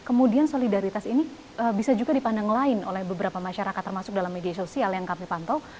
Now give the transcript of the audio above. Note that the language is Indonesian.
kemudian solidaritas ini bisa juga dipandang lain oleh beberapa masyarakat termasuk dalam media sosial yang kami pantau